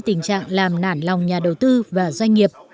tình trạng làm nản lòng nhà đầu tư và doanh nghiệp